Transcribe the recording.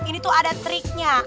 ini tuh ada triknya